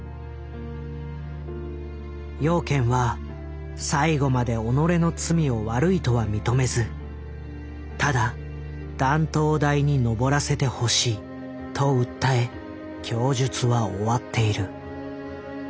養賢は最後まで己の罪を悪いとは認めずただ「断頭台にのぼらせてほしい」と訴え供述は終わっている。